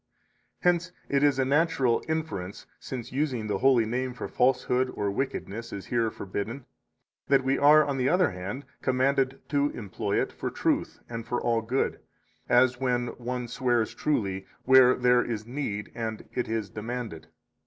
64 Hence it is a natural inference, since using the holy name for falsehood or wickedness is here forbidden, that we are, on the other hand, commanded to employ it for truth and for all good, as when one swears truly where there is need and it is demanded.